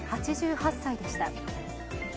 ８８歳でした。